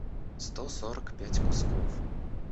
сто сорок пять кусков